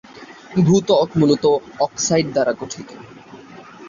ভূ-ত্বক মূলত অক্সাইড দ্বারা গঠিত।